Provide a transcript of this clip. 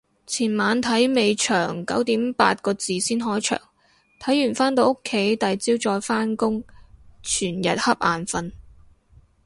前晚睇尾場九點八個字先開場，睇完返到屋企第朝再返工，全日恰眼瞓